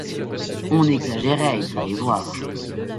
On exagérait, il fallait voir.